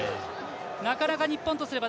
なかなか日本としては。